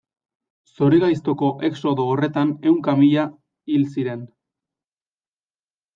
Zorigaiztoko exodo horretan ehunka mila hil ziren.